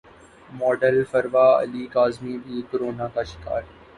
model Farwa Ali Kazmi بھی corona کا شکار